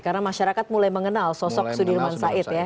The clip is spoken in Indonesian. karena masyarakat mulai mengenal sosok sudirman said ya